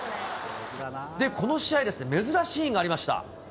この試合、珍しいシーンがありました。